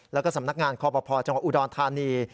และก็สำนักงานคพจอุดนทานี